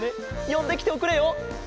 よんできておくれよ。